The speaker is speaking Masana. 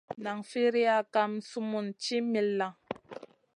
Nan firiya kam sumun ci milla.